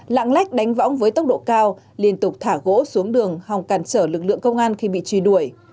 lạng lách đánh võng với tốc độ cao liên tục thả gỗ xuống đường hòng càn trở lực lượng công an khi bị truy đuổi